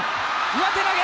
上手投げ。